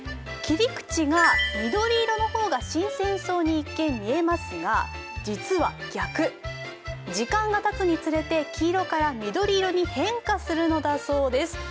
切り口が緑色の方が新鮮そうに見えますが実は逆、時間がたつにつれて黄色から緑色に変化するんだそうです。